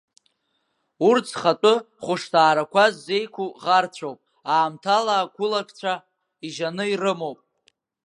Урҭ зхатәы хәышҭаарақәа ззеиқәу ӷарцәоуп, аамҭала акулакцәа ижьаны ирымоуп.